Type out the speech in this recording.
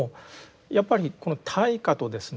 やっぱりこの対価とですね